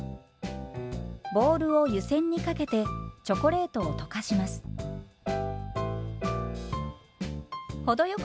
ボウルを湯煎にかけてチョコレートを溶かします。